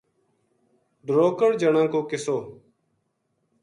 ڈروکڑ جنا کو قصو